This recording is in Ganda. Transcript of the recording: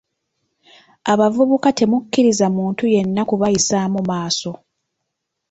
Abavubuka temukkiriza muntu yenna kubayisaamu maaso.